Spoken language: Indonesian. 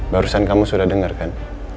barusan kamu sudah dengar kan